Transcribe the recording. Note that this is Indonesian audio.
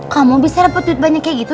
kamu bisa dapat duit banyak kayak gitu